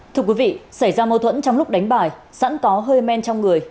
thưa quý vị xảy ra mâu thuẫn trong lúc đánh bài sẵn có hơi men trong người